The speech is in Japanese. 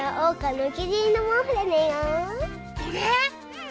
うん。